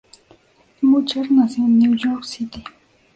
Schumacher nació en New York City.